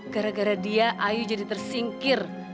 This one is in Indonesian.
gara gara dia ayo jadi tersingkir